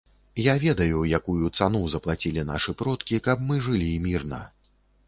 Я ведаю, якую цану заплацілі нашы продкі, каб мы жылі мірна.